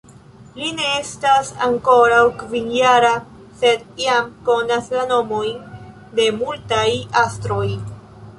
Li ne estas ankoraŭ kvinjara, sed jam konas la nomojn de multaj astroj.